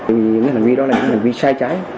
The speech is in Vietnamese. vì những hành vi đó là những hành vi sai trái